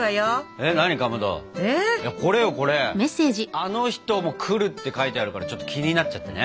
「あの人も来る」って書いてあるから気になっちゃってね。